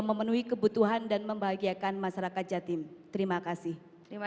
memenuhi kebutuhan dan membahagiakan masyarakat jatim terima kasih